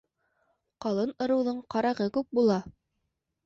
Ҡалын ырыуҙың ҡарағы күп була.